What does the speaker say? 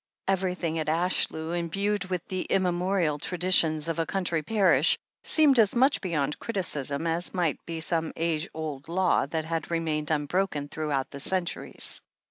Everything at Ashlew, imbued with the immemorial traditions of a country parish, seemed as much beyond criticism as might be some age old law that had remained unbroken throughout centuries.